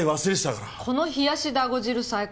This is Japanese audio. この冷やしだご汁最高。